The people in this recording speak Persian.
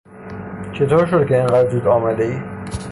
چطور شده که اینقدر زود آمدهای؟